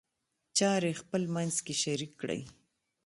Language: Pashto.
چارې خپلمنځ کې شریک کړئ.